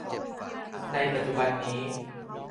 ในปัจจุบันนี้